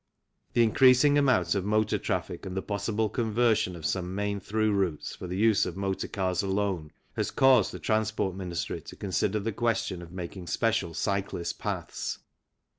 The increasing amount of motor traffic and the possible conversion of some main through routes for the use of motor cars alone has caused the Transport Ministry to consider the question of making special cyclists' paths.